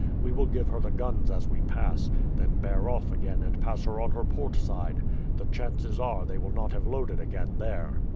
We will give her the guns as we pass, then bear off again and pass her on her port side; the chances are they will not have loaded again there."